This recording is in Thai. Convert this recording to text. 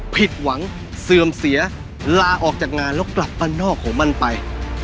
ผิดหวังเสื่อมเสียลาออกจากงานแล้วกลับบ้านนอกของมันไป